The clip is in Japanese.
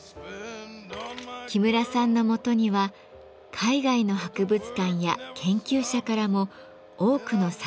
木村さんのもとには海外の博物館や研究者からも多くの作画依頼が届きます。